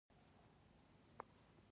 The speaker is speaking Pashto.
ازادي راډیو د کلتور بدلونونه څارلي.